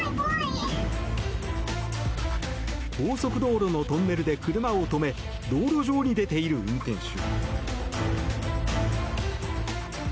高速道路のトンネルで車を止め道路上に出ている運転手。